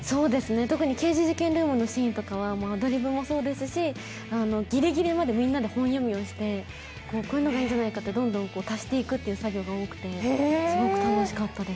特に刑事事件ルームのシーンとかはアドリブもそうですし、ぎりぎりまでみんなで本読みをして、こういうのがいいんじゃないかとどんどん足していく作業が多くてすごく楽しかったです。